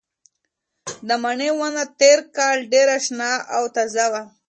د مڼې ونه تېر کال ډېره شنه او تازه وه.